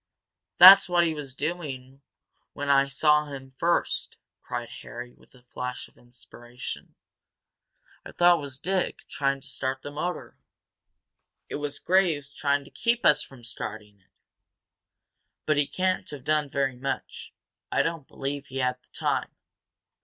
"That's what he was doing when I saw him first," cried Harry, with a flash of inspiration. "I thought it was Dick, trying to start his motor it was Graves trying to keep us from starting it! But he can't have done very much I don't believe he had the time.